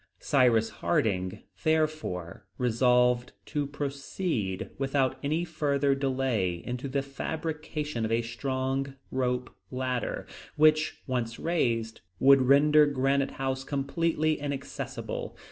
Cyrus Harding, therefore, resolved to proceed without any further delay to the fabrication of a strong rope ladder, which, once raised, would render Granite House completely inaccessible.